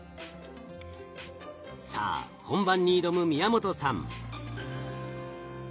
さあ本番に挑む宮本さん。